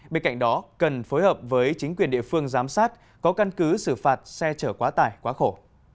bên cạnh đó cần phối hợp với chính quyền địa phương giám sát có căn cứ xử phạt xe chở quá tải quá khổ